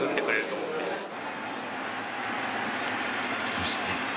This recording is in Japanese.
そして。